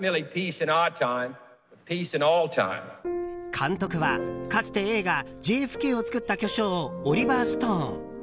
監督はかつて映画「ＪＦＫ」を作った巨匠オリバー・ストーン。